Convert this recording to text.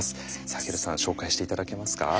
サヘルさん紹介して頂けますか。